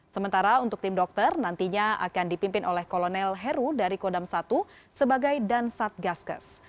sementara untuk tim dokter nantinya akan dipimpin oleh kolonel heru dari kodam satu sebagai dansat gaskes